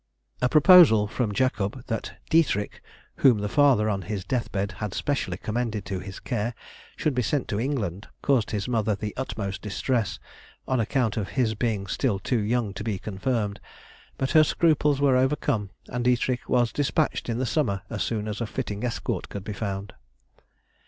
A proposal from Jacob that Dietrich, whom the father on his deathbed had specially commended to his care, should be sent to England, caused his mother the utmost distress, on account of his being still too young to be confirmed; but her scruples were overcome and Dietrich was despatched in the summer as soon as a fitting escort could be found.